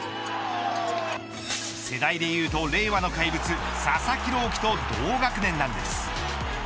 世代でいうと令和の怪物佐々木朗希と同学年なんです。